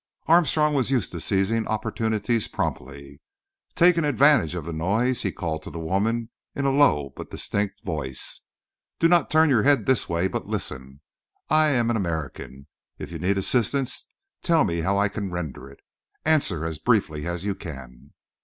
Armstrong, was used to seizing opportunities promptly. Taking advantage of the noise he called to the woman in a low but distinct voice: "Do not turn your head this way, but listen. I am an American. If you need assistance tell me how I can render it. Answer as briefly as you can."